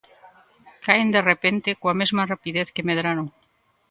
Caen de repente, coa mesma rapidez que medraron.